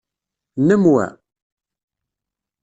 Nnem wa?